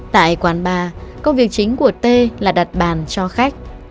tại quán bar công việc chính của tế là đặt bàn cho khách